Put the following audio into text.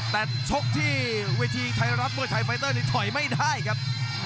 แต่ชกที่เวทีไทยรัฐมวยไทยไฟเตอร์นี้ถอยไม่ได้ครับ